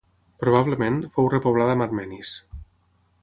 Probablement, fou repoblada amb armenis.